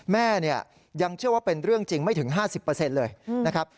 แม่เนี่ยยังเชื่อว่าเป็นเรื่องจริงไม่ถึง๕๐เลยนะครับ